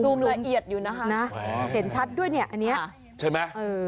ดูลุยเอียดอยู่นะคะเห็นชัดด้วยเนี่ยอันเนี้ยใช่ไหม